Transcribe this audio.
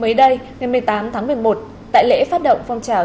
mới đây ngày một mươi tám tháng một mươi một tại lễ phát động phong trào